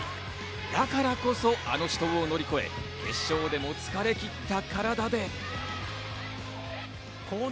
だからこそ、あの死闘を乗り越え、決勝でも疲れきった体で。